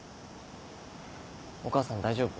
お母さん大丈夫？